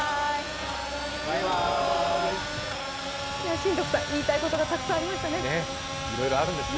新徳さん、言いたいことがたくさんありましたね。